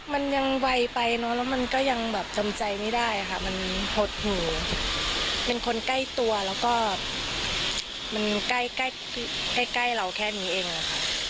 มันยังไวไปเนอะแล้วมันก็ยังแบบจำใจไม่ได้ค่ะมันหดหูเป็นคนใกล้ตัวแล้วก็มันใกล้ใกล้เราแค่นี้เองค่ะ